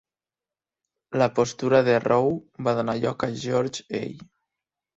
La postura de Rowe va donar lloc a George A.